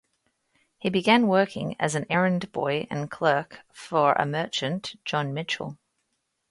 He began working as an errand boy and clerk for a merchant, John Mitchell.